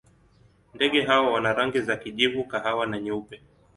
Ndege hawa wana rangi za kijivu, kahawa na nyeupe.